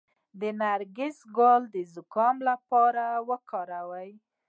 د نرګس ګل د زکام لپاره وکاروئ